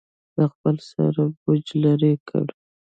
له خپل سره یې بوج لرې کړ.